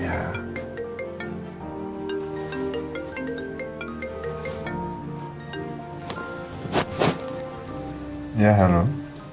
ya udah berhasil